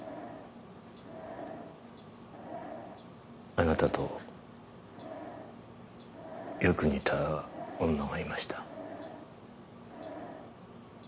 あなたとよく似た女がいました。